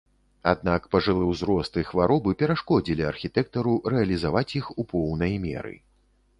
Аднак, пажылы ўзрост і хваробы перашкодзілі архітэктару рэалізаваць іх у поўнай меры.